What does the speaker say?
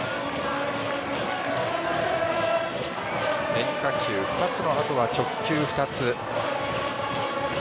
変化球２つのあとは直球２つ。